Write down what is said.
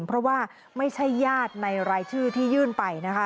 เพราะว่าไม่ใช่ญาติในรายชื่อที่ยื่นไปนะคะ